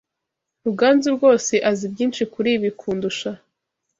Ruganzu rwose azi byinshi kuri ibi kundusha.